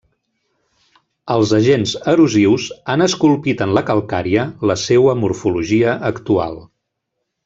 Els agents erosius han esculpit en la calcària la seua morfologia actual.